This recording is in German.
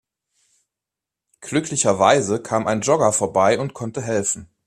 Glücklicherweise kam ein Jogger vorbei und konnte helfen.